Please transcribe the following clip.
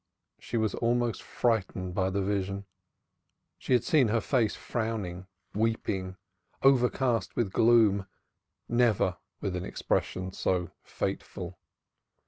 She was almost frightened by the vision. She had seen her face frowning, weeping, overcast with gloom, never with an expression so fateful.